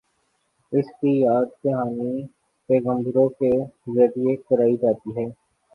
اس کی یاد دہانی پیغمبروں کے ذریعے کرائی جاتی ہے۔